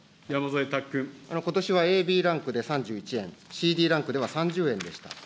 ことしはＡ、Ｂランクで３１円、Ｃ、Ｄランクでは３０円でした。